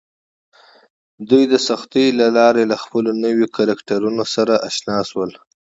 دوی د سختیو له لارې له خپلو نویو کرکټرونو سره اشنا شول